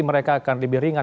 mereka akan lebih ringan